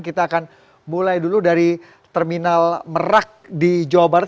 kita akan mulai dulu dari terminal merak di jawa barat